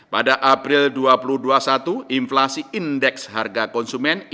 pada april dua ribu dua puluh satu inflasi indeks harga konsumen